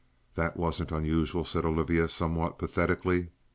"That wasn't unusual," said Olivia somewhat pathetically.